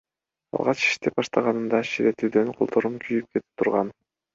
Алгач иштеп баштаганымда ширетүүдөн колдорум күйүп кетип турган.